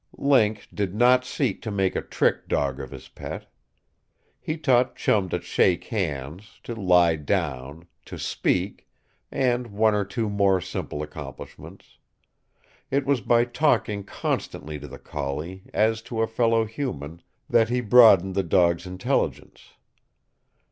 Link did not seek to make a trick dog of his pet. He taught Chum to shake hands, to lie down, to "speak" and one or two more simple accomplishments. It was by talking constantly to the collie, as to a fellow human, that he broadened the dog's intelligence.